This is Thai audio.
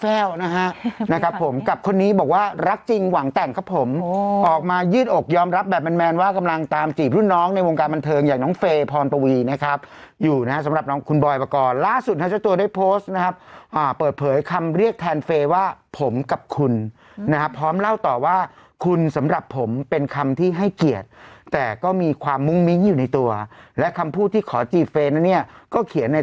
แฟ้วนะครับผมกับคนนี้บอกว่ารักจริงหวังแต่งครับผมออกมายืดอกยอมรับแบบแมนว่ากำลังตามจีบรุ่นน้องในวงการบันเทิงอย่างน้องเฟย์พรณปวีนะครับอยู่นะครับสำหรับน้องคุณบอยประกอบล่าสุดท้ายชะตัวได้โพสต์นะครับเปิดเผยคำเรียกแทนเฟย์ว่าผมกับคุณนะครับพร้อมเล่าต่อว่าคุณสำหรับผมเป็นคำที่